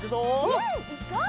うんいこう！